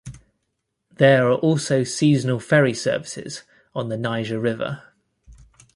There are also seasonal ferry services on the Niger River.